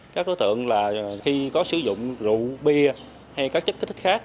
các đối tượng là khi có sử dụng rượu bia hay các chất kích thích khác